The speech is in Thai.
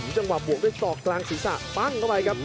จังหวะบวกด้วยศอกกลางศีรษะปั้งเข้าไปครับ